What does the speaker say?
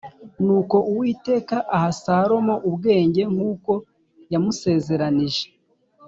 Nuko Uwiteka aha Salomo ubwenge nk’uko yamusezeranije